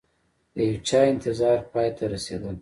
د یوچا انتظار پای ته رسیدلي